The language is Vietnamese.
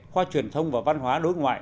qua truyền thông và văn hóa đối ngoại